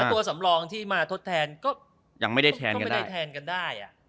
ตัวสำรองที่มาทดแทนก็ยังไม่ได้แทนกันไม่ได้แทนกันได้